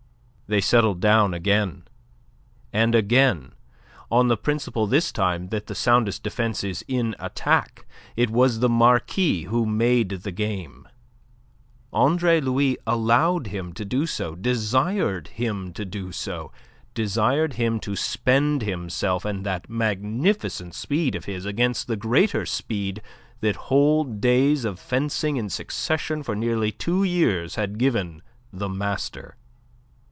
They settled down again; and again on the principle this time that the soundest defence is in attack it was the Marquis who made the game. Andre Louis allowed him to do so, desired him to do so; desired him to spend himself and that magnificent speed of his against the greater speed that whole days of fencing in succession for nearly two years had given the master.